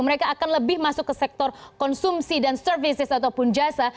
mereka akan lebih masuk ke sektor konsumsi dan services ataupun jasa